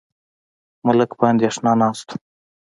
ملک په اندېښنه ناست و.